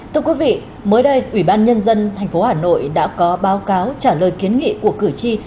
thưa quý vị mới đây ủy ban nhân dân tp hà nội đã có báo cáo trả lời kiến nghị của cử tri